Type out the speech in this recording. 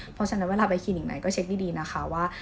เพราะฉะนั้นเวลาไปคลินิกไหนก็เช็คดีนะคะว่า